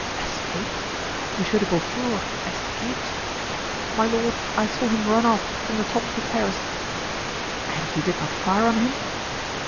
"Escaped? Monsieur de Beaufort escaped?" "My lord, I saw him run off from the top of the terrace." "And you did not fire on him?"